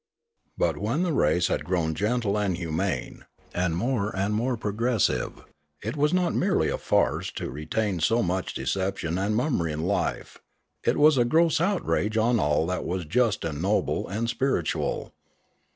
But when the race had grown gentle and humane and more and more progressive, it was not merely a farce to re tain so much deception and mummery in life, it was a gross outrage on all that was just and noble and spiritual.